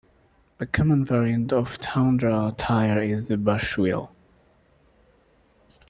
A common variant of tundra tire is the bushwheel.